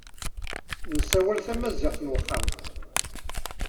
Nessawal tamaziɣt n uxxam.